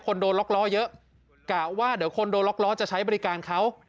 คนโดนล็อกล้อเยอะกะว่าเดี๋ยวคนโดนล็อกล้อจะใช้บริการเขา